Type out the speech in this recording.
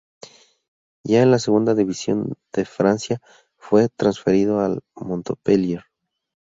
Ya en la segunda división de Francia fue transferido al Montpellier.